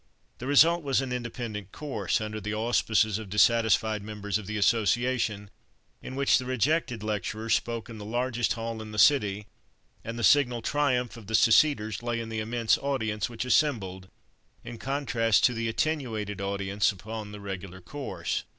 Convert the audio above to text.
The result was an independent course, under the auspices of dissatisfied members of the association, in which the rejected lecturers spoke in the largest hall in the city, and the signal triumph of the seceders lay in the immense audience which assembled in contrast to the attenuated attendance upon the regular course.